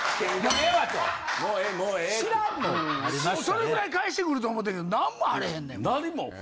それぐらい返してくると思ったけど何もあれへんねんもん。